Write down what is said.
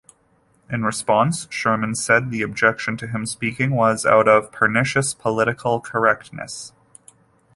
In response Sheerman said the objection to him speaking out was "pernicious political correctness".